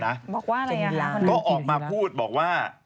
บอกว่าอะไรบ้างครับเกินทีหรือก็ออกมาพูดบอกว่า